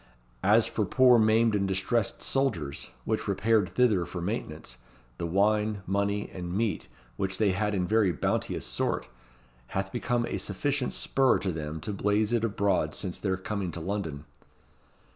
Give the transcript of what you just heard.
As for poor maimed and distressed soldiers, which repaired thither for maintenance, the wine, money, and meat which they had in very bounteous sort, hath become a sufficient spur to them to blaze it abroad since their coming to London."